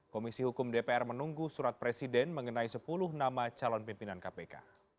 komisi hukum dpr menunggu surat presiden mengenai sepuluh nama calon pimpinan kpk